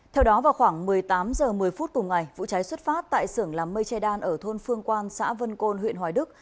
theo đó vào khoảng một mươi tám h một mươi phút cùng ngày vụ cháy xuất phát tại sưởng làm mây che đan ở thôn phương quan xã vân côn huyện hoài đức